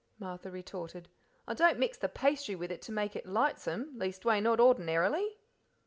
Martha retorted. "I don't mix the pastry with it to make it lightsome, leastway not ordinarily."